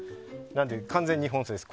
なので完全日本製です。